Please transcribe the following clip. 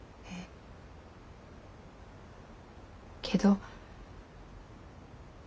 けど。